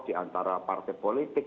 di antara partai politik